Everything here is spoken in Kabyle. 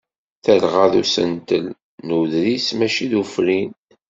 Talɣa d usentel n uḍris mačči d ufrin.